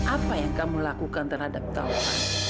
apa yang kamu lakukan terhadap taufan